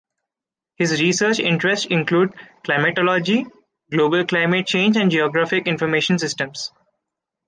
His research interests include climatology, global climate change, and geographic information systems.